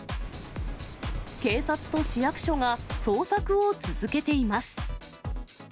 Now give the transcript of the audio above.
警察と市役所が捜索を続けています。